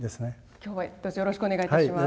今日はどうぞよろしくお願いいたします。